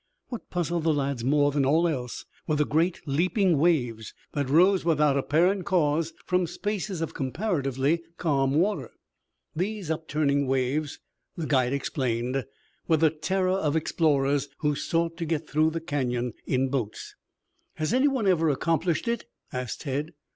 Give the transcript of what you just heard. What puzzled the lads more than all else were the great leaping waves that rose without apparent cause from spaces of comparatively calm water. These upturning waves, the guide explained, were the terror of explorers who sought to get through the Canyon in boats. "Has any one ever accomplished it?" asked Tad.